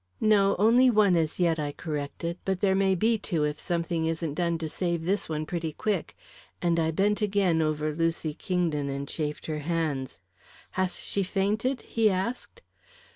"No; only one as yet," I corrected. "But there may be two if something isn't done to save this one pretty quick," and I bent again over Lucy Kingdon and chafed her hands. "Hass she fainted?" he asked.